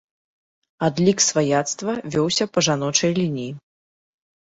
Адлік сваяцтва вёўся па жаночай лініі.